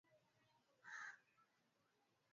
Eamon Gilmore alisema ameelezea wasiwasi wa umoja huo